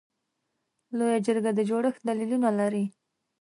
لویه جرګه د جوړښت دلیلونه لري.